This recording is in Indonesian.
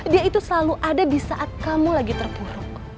dia itu selalu ada di saat kamu lagi terpuruk